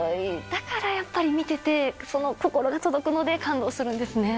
だからやっぱり見てて、その心が届くので感動するんですね。